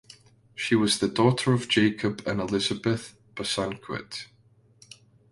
She was the daughter of Jacob and Elizabeth Bosanquet.